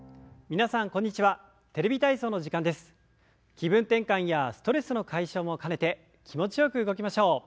気分転換やストレスの解消も兼ねて気持ちよく動きましょう。